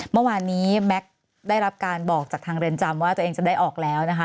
เมื่อวานนี้แม็กซ์ได้รับการบอกจากทางเรือนจำว่าตัวเองจะได้ออกแล้วนะคะ